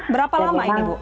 berapa lama ini bu